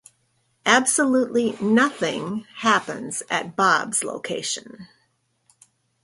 Absolutely "nothing" happens at Bob's location.